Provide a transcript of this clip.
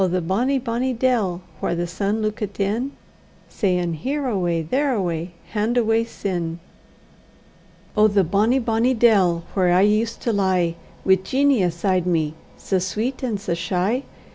the bonny, bonny dell, whaur the sun luikit in, Sayin', Here awa', there awa', hand awa', sin. Oh! the bonny, bonny dell, whaur I used to lie Wi' Jeanie aside me, sae sweet and sae shy!